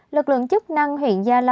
lực lượng chức năng huyện gia lâm